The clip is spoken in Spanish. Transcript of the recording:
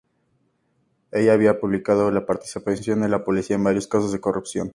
Ella había publicado la participación de la policía en varios casos de corrupción.